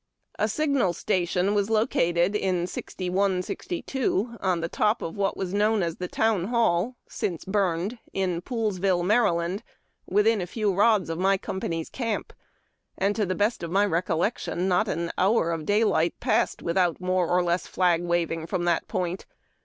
A signal station was located, in '61 2, on the top of what was known as the Town Hall (since burned) in Poolesville, Md., within a few rods of mj^ company's camp, and, to the best of my recollection, not an hour of daylight passed with out more or less flag waving from that point.